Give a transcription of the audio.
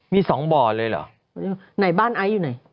มี๒บ่อเลยเหรอบ้านไอ้อยู่ไหน